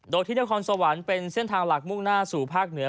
โดยที่นครสวรรค์เป็นเส้นทางหลักมุ่งหน้าสู่ภาคเหนือ